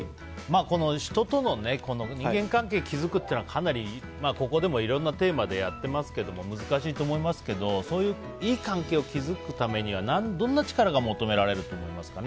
人との人間関係を築くというのはかなりここでもいろんなテーマでやってますけども難しいと思いますけどそういういい関係を築くためにはどんな力が求められると思いますかね。